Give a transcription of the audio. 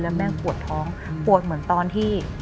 แล้วแม่ปวดท้องปวดเหมือนตอนที่